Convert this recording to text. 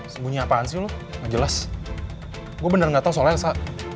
sebunyi apaan sih lu gak jelas gua bener gak tau soalnya